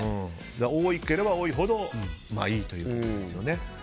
多ければ多いほどいいということですよね。